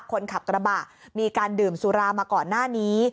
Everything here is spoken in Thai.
คนขับกระบะมีการดื่มสุรามาก่อนหน้านี้